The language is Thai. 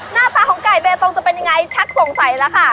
หน้าตาของไก่เบตงจะเป็นยังไงชักสงสัยแล้วค่ะ